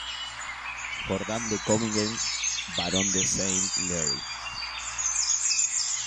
Jordán de Cominges, barón de Saint-Lary.